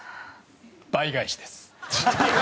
倍返しです。